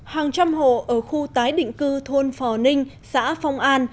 hàng trăm hộ ở khu tái định cư thôn phò ninh xã phong an